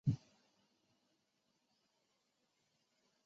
连珠绒兰为兰科绒兰属下的一个种。